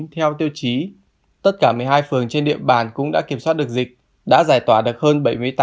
theo tiêu chí tất cả một mươi hai phường trên địa bàn cũng đã kiểm soát được dịch đã giải tỏa được hơn bảy mươi tám